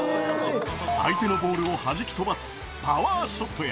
相手のボールをはじき飛ばすパワーショットや。